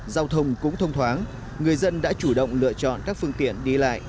giao thông cũng thông thoáng người dân đã chủ động lựa chọn các phương tiện đi lại